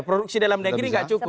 produksi dalam negeri nggak cukup